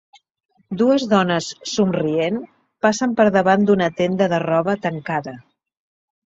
dues dones, somrient, passen per davant d'una tenda de roba tancada.